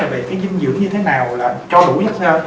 về cái dinh dưỡng như thế nào là cho đủ nhắc sơ